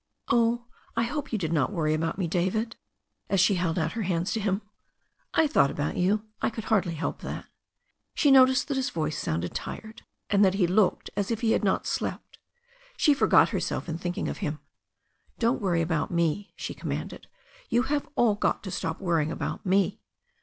"Oh, I hope you did not worry about me, David?" as she held out her hands to him. *T thought about you. I could hardly help that." She noticed that his voice sounded tired and that he looked as if he had not slept. She forgot herself in think ing of him. "Don't worry about me," she commanded. "You have all got to stop worrying about me."